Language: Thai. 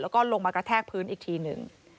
แล้วก็ลงมากระแทกพื้นอีกทีหนึ่ง